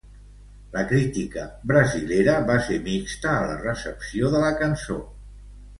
La crítica brasilera va ser mixta a la recepció de la cançó.